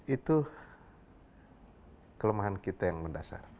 itu kelemahan kita yang mendasar